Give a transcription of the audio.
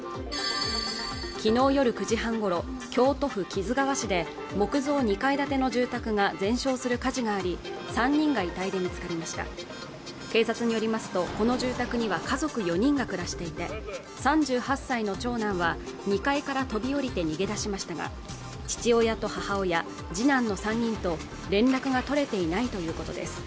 昨日夜９時半ごろ京都府木津川市で木造２階建ての住宅が全焼する火事があり３人が遺体で見つかりました警察によりますとこの住宅には家族４人が暮らしていて３８歳の長男は２階から飛び降りて逃げ出しましたが父親と母親、次男の３人と連絡が取れていないということです